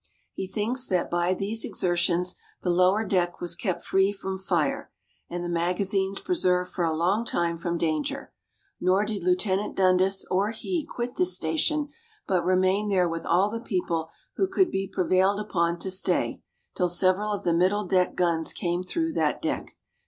"He thinks that by these exertions the lower deck was kept free from fire, and the magazines preserved for a long time from danger; nor did Lieut. Dundas, or he, quit this station, but remained there with all the people who could be prevailed upon to stay, till several of the middle deck guns came through that deck.